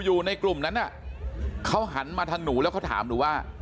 อยู่ในกลุ่มนั้นน่ะเขาหันมาทางหนูแล้วเขาถามหนูว่า